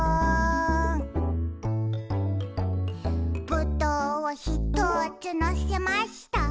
「ぶどうをひとつのせました」